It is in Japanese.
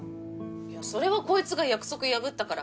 いやそれはコイツが約束破ったから。